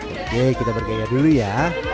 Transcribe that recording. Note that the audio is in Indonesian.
oke kita bergaya dulu ya